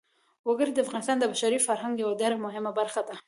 وګړي د افغانستان د بشري فرهنګ یوه ډېره مهمه برخه ده.